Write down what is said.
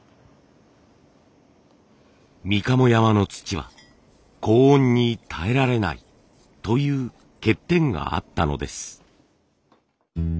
みかも山の土は高温に耐えられないという欠点があったのです。